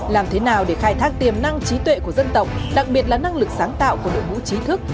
làm thế nào để khai thác tiềm năng trí tuệ của dân tộc đặc biệt là năng lực sáng tạo của đội ngũ trí thức